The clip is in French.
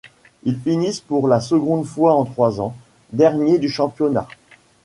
Il finissent pour la seconde fois en trois ans, dernier du championnat.